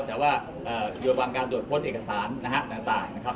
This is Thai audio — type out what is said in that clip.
แต่ว่าอยู่ระหว่างการตรวจค้นเอกสารนะฮะต่างนะครับ